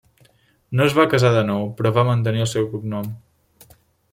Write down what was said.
No es va casar de nou, però va mantenir el seu cognom.